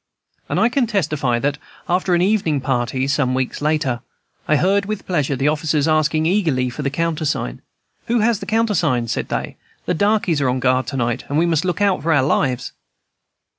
And I can testify that, after an evening party, some weeks later, I beard with pleasure the officers asking eagerly for the countersign. "Who has the countersign?" said they. "The darkeys are on guard to night, and we must look out for our lives."